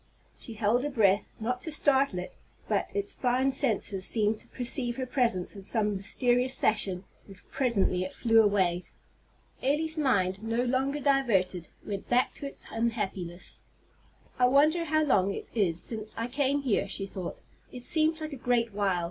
She held her breath, not to startle it; but its fine senses seemed to perceive her presence in some mysterious fashion, and presently it flew away. Elly's mind, no longer diverted, went back to its unhappiness. "I wonder how long it is since I came here," she thought. "It seems like a great while.